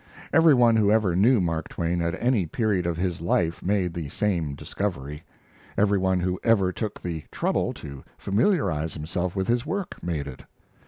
Every one who ever knew Mark Twain at any period of his life made the same discovery. Every one who ever took the trouble to familiarize himself with his work made it.